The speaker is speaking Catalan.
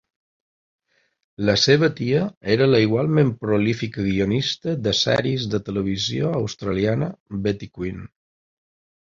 La seva tia era la igualment prolífica guionista de sèries de televisió australiana, Betty Quin.